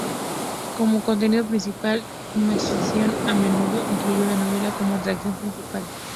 Como contenido principal, "Imagination" a menudo incluyó una novela como atracción principal.